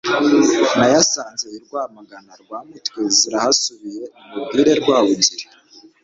Nayasanze i Rwamagana, Rwamutwe zirahasubiye. Nimubwire Rwabugiri,